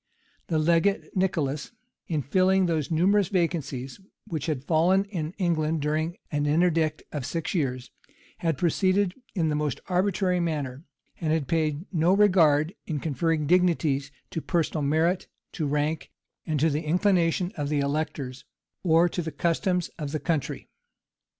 The legate, Nicholas, in filling those numerous vacancies which had fallen in England during an interdict of six years, had proceeded in the most arbitrary manner; and had paid no regard, in conferring dignities, to personal merit, to rank, to the inclination of the electors, or to the customs of the country.